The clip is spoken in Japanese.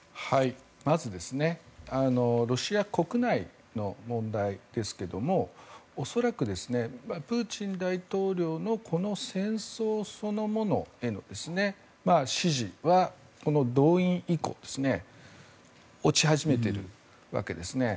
まずロシア国内の問題ですけども恐らくプーチン大統領のこの戦争そのものへの支持はこの動員以降落ち始めているわけですね。